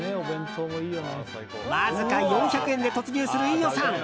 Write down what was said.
わずか４００円で突入する飯尾さん